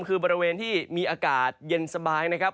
คือบริเวณที่มีอากาศเย็นสบายนะครับ